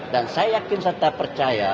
dan saya yakin saya tak percaya